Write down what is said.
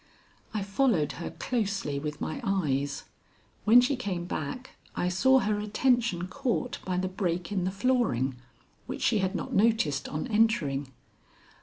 I followed her closely with my eyes. When she came back, I saw her attention caught by the break in the flooring, which she had not noticed on entering.